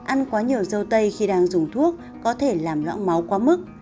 ăn quá nhiều dâu tây khi đang dùng thuốc có thể làm lão máu quá mức